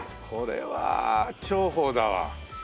これは重宝だわ。